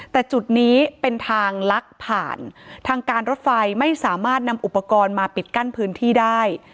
แต่จุดนี้เป็นทางลักผ่านทางการรถไฟไม่สามารถนำอุปกรณ์มาปิดกั้นพื้นที่ได้